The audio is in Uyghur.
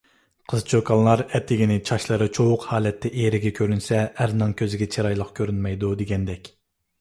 قىز-چوكانلار ئەتىگىنى چاچلىرى چۇۋۇق ھالەتتە ئېرىگە كۆرۈنسە، ئەرنىڭ كۆزىگە چىرايلىق كۆرۈنمەيدۇ، دېگەندەك.